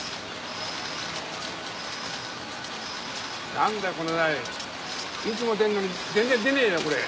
何だこの台。いつも出んのに全然出ねえよこれ。